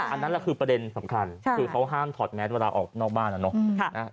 อันนั้นแหละคือประเด็นสำคัญคือเขาห้ามถอดแมสเวลาออกนอกบ้านนะเนาะ